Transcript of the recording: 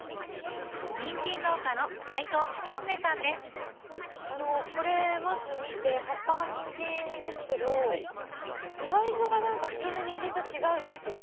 ニンジン農家のこれまず見て葉っぱがニンジンですけどサイズがなんか普通のニンジンと違うんですけど。